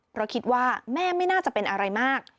เพราะคิดว่าแม่ไม่น่าจะเป็นอะไรมาก